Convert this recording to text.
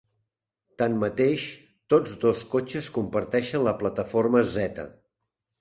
Tanmateix, tots dos cotxes comparteixen la plataforma Zeta.